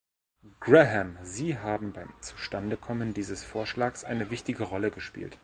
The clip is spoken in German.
Graham, Sie haben beim Zustandekommen dieses Vorschlags eine wichtige Rolle gespielt.